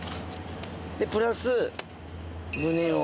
でプラスムネを。